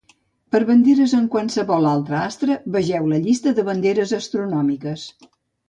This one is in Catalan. Per a banderes amb qualsevol altre astre, vegeu la llista de banderes astronòmiques.